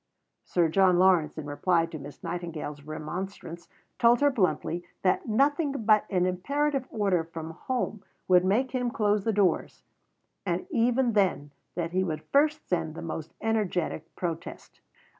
Sir John Lawrence in reply to Miss Nightingale's remonstrance told her bluntly that nothing but an imperative order from home would make him close the doors, and even then that he would first send the most energetic protest.